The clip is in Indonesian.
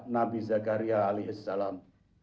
nabi zakaria alaihissalam